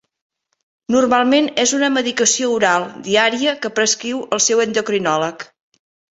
Normalment és una medicació oral diària que prescriu el seu endocrinòleg.